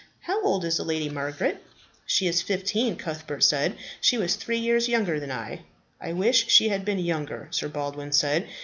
How old is the Lady Margaret?" "She is fifteen," Cuthbert said. "She was three years younger than I." "I wish she had been younger," Sir Baldwin said.